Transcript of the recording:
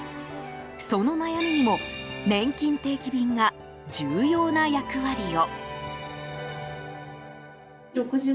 その悩みにもねんきん定期便が重要な役割を。